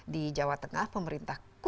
di jawa tengah pemerintah